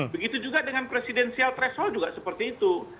begitu juga dengan presidensial threshold juga seperti itu